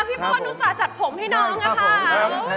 พี่โบรนด์นู้สะจัดผมให้น้องนะครับครับครับ